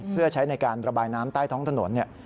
เพื่อใช้ในการระบายน้ำใต้ท้องถนนเนี่ย